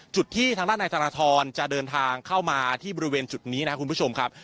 ที่ทางด้านนายธนทรจะเดินทางเข้ามาที่บริเวณจุดนี้นะครับคุณผู้ชมครับ